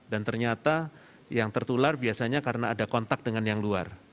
dan ternyata yang tertular biasanya karena ada kontak dengan yang luar